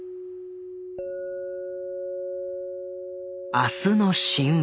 「明日の神話」。